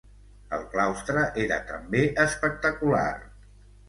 El claustre era també espectacular.